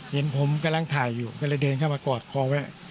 เห็นผมกำลังถ่ายอยู่ก็เลยเดินเข้ามากอดคอไว้